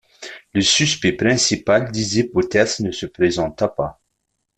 Le suspect principal Dési Bouterse ne se présenta pas.